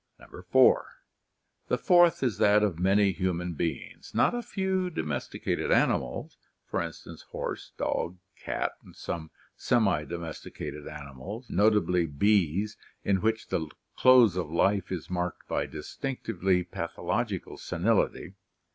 (4) The fourth is that of many human beings, not a few domesticated animals, e. g., horse, dog, cat, and some semi domesticated animals, notably bees, in which the close of life is marked by distinctively pathological senility.